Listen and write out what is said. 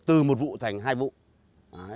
từ một vụ thành công